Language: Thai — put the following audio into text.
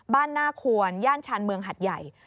หน้าควรย่านชานเมืองหัดใหญ่